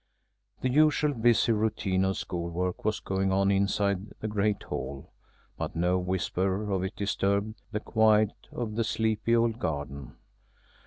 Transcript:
The usual busy routine of school work was going on inside the great Hall, but no whisper of it disturbed the quiet of the sleepy old garden.